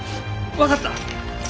分かった！